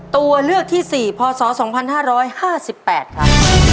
ตัวเลือกที่๔พอสอ๒๕๕๘ค่ะ